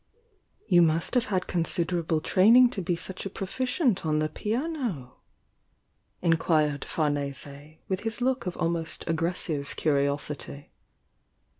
"You must have had considerable training to be such a proficient on the piano?" inquired Famese, with his look of almost aggressive curiosity.